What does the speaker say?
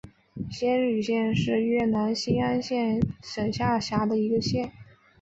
仙侣县是越南兴安省下辖的一个县。